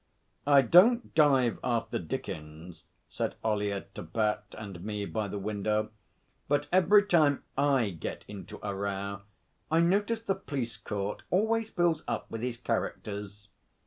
'I don't dive after Dickens,' said Ollyett to Bat and me by the window, 'but every time I get into a row I notice the police court always fills up with his characters.'